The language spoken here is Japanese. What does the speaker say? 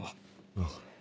ああ。